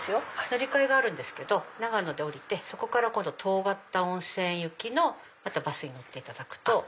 乗り換えがあるんですけど永野で降りてそこから今度遠刈田温泉行きのまたバスに乗っていただくと。